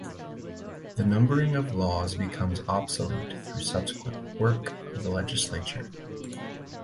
The numbering of laws becomes obsolete through subsequent work of the legislature.